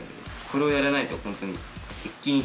これをやらないとホントに。